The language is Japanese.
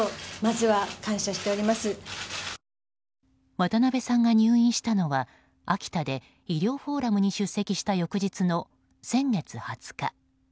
渡辺さんが入院したのは秋田で医療フォーラムに出席した翌日の先月２０日。